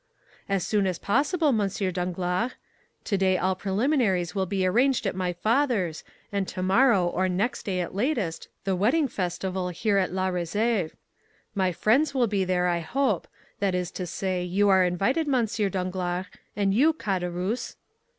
"As soon as possible, M. Danglars; today all preliminaries will be arranged at my father's, and tomorrow, or next day at latest, the wedding festival here at La Réserve. My friends will be there, I hope; that is to say, you are invited, M. Danglars, and you, Caderousse."